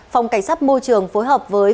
phòng cảnh sát môi trường phối hợp với